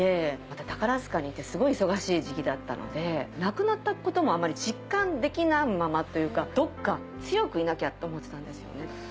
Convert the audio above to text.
宝塚にいてすごい忙しい時期だったので亡くなったこともあまり実感できないままというかどっか強くいなきゃと思ってたんですよね。